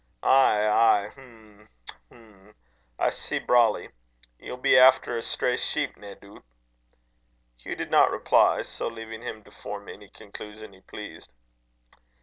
"Ay! ay! Hm! Hm! I see brawly. Ye'll be efter a stray sheep, nae doot?" Hugh did not reply; so leaving him to form any conclusion he pleased.